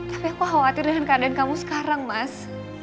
tapi aku khawatir dengan keadaan kamu sekarang mas